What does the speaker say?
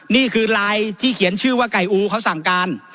นี่คือไลน์ที่เขียนชื่อว่าไก่อูเขาสั่งการ